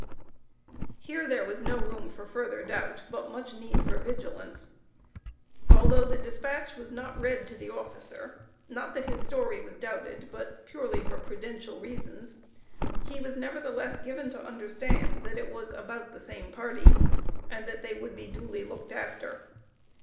Here there was no room for further doubt, but much need for vigilance. Although the despatch was not read to the officer, not that his story was doubted, but purely for prudential reasons, he was nevertheless given to understand, that it was about the same party, and that they would be duly looked after.